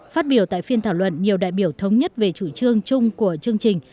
phát biểu tại phiên thảo luận nhiều đại biểu thống nhất về chủ trương chung của chương trình